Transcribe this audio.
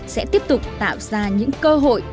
sẽ tiếp tục tạo ra những cơ hội